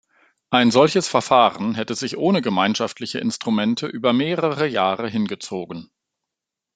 Ein solches Verfahren hätte sich ohne gemeinschaftliche Instrumente über mehrere Jahre hingezogen.